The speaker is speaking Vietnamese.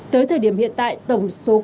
tới thời điểm hiện tại tổng số